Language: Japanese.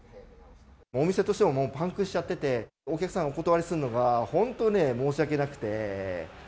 お店としてはもうパンクしちゃってて、お客さんをお断りするのが本当に申し訳なくて。